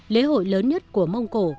lễ hội lớn nhất của mông cổ